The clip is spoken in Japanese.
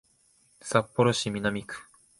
札幌市南区